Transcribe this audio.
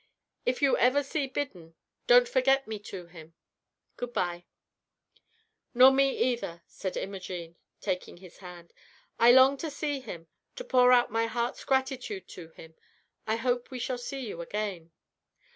If you ever see Biddon, don't forget me to him. Good by." "Nor me either," said Imogene, taking his hand. "I long to see him, to pour out my heart's gratitude to him. I hope we shall see you again."